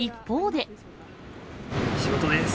仕事です。